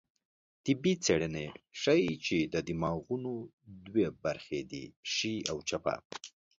طبي څېړنې ښيي، چې د دماغو دوه برخې دي؛ ښۍ او چپه